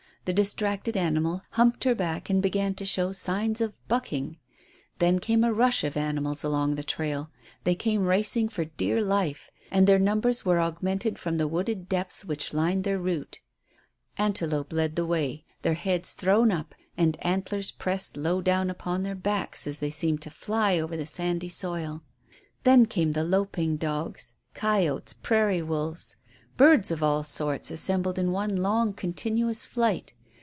The distracted animal humped her back and began to show signs of "bucking." Then came a rush of animals along the trail; they came racing for dear life, and their numbers were augmented from the wooded depths which lined their route. Antelope led the way; with heads thrown up and antlers pressed low down upon their backs they seemed to fly over the sandy soil. Then came the "loping" dogs, coyotes, prairie wolves. Birds of all sorts assembled in one long continuous flight.